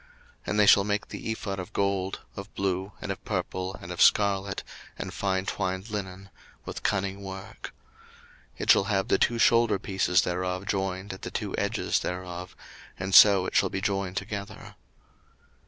02:028:006 And they shall make the ephod of gold, of blue, and of purple, of scarlet, and fine twined linen, with cunning work. 02:028:007 It shall have the two shoulderpieces thereof joined at the two edges thereof; and so it shall be joined together.